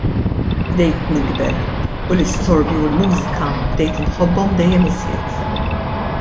Bdejt nikber u l-istorbju u l-mużika bdejt inħobbhom dejjem iżjed.